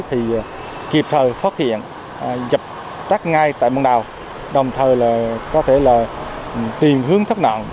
thì kịp thời phát hiện dập tắt ngay tại băng đào đồng thời có thể là tiền hướng thất nạn